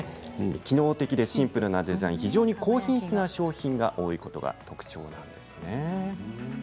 機能的でシンプルなデザインで非常に高品質な商品が多いことが特徴なんです。